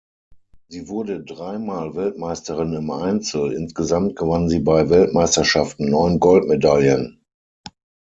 Sie wurde dreimal Weltmeisterin im Einzel, insgesamt gewann sie bei Weltmeisterschaften neun Goldmedaillen.